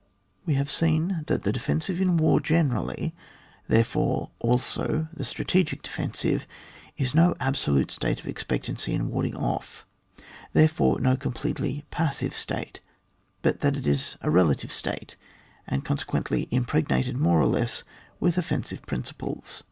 We have seen that the defensive in weo* generally — therefore, also, the strategic defensive — is no absolute state of expec tancy and warding off, therefore no com pletely passive state, but that it is a rela tive state, and consequently impregnated more or less with offensive principles.